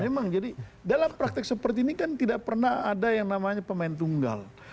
memang jadi dalam praktek seperti ini kan tidak pernah ada yang namanya pemain tunggal